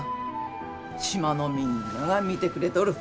島のみんなが見てくれとる。